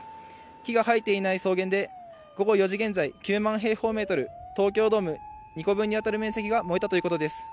木が生えていない草原で、午後４時現在、９万平方メートル、東京ドーム２個分に当たる面積が燃えたということです。